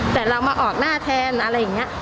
แต่เรามาออกหน้าแทนอะไรอย่างนี้